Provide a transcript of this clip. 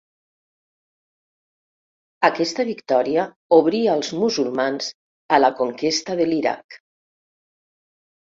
Aquesta victòria obria als musulmans a la conquesta de l'Iraq.